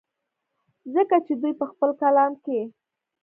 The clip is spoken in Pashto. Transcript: ځکه چې دوي پۀ خپل کلام کښې